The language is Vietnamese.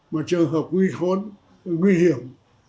một trường hợp nguy hiểm